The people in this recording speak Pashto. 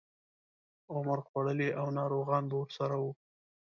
عمر خوړلي او ناروغان به ورسره وو.